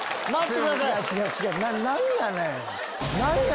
何やねん。